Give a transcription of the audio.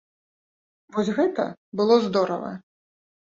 Вось гэта было здорава!